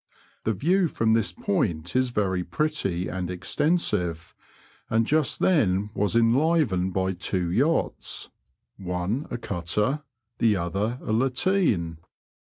The view from this point is very pretty and extensive, and just then was enlivened by two yachts, one a cutter, the other a lateen.